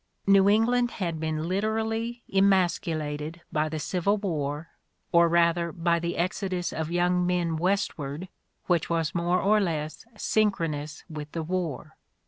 New England had been literally emascu lated by the Civil War, or rather by the exodus of young men westward which was more or less synchron ous with the war.